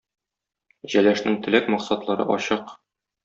Җәләшнең теләк, максатлары ачык.